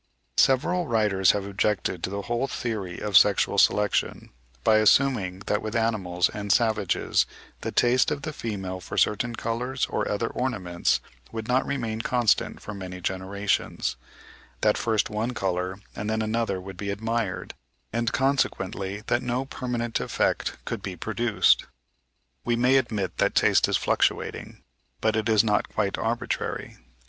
Several writers have objected to the whole theory of sexual selection, by assuming that with animals and savages the taste of the female for certain colours or other ornaments would not remain constant for many generations; that first one colour and then another would be admired, and consequently that no permanent effect could be produced. We may admit that taste is fluctuating, but it is not quite arbitrary.